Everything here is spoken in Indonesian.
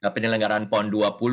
penyelenggaran pon dua puluh